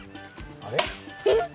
あれ？